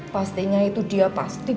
pastinya itu dia pasti